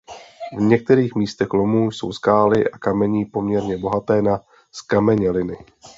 V některých místech lomu jsou skály a kamení poměrně bohaté na zkameněliny.